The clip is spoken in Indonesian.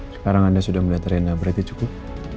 sekarang anda sudah melihat rena berarti cukup